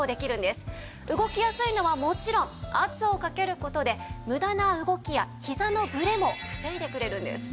動きやすいのはもちろん圧をかける事で無駄な動きやひざのブレも防いでくれるんです。